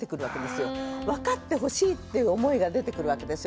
分かってほしいっていう思いが出てくるわけですよ。